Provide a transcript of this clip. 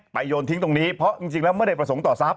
โยนทิ้งตรงนี้เพราะจริงแล้วไม่ได้ประสงค์ต่อทรัพย